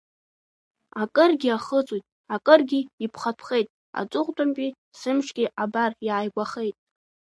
Акыргьы ахыҵуеит, акыргьы ирԥхатәхеит, аҵыхәтәантәи сымшгьы, абар, иааигәахеит.